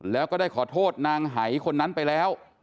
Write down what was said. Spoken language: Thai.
แล้วก็ได้ขอโทษนางหายคนนั้นไปแล้ว